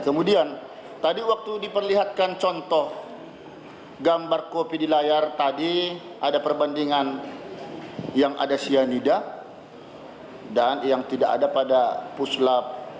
kemudian tadi waktu diperlihatkan contoh gambar kopi di layar tadi ada perbandingan yang ada cyanida dan yang tidak ada pada puslap